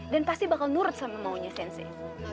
dan pasti bakal nurut sama maunya sensei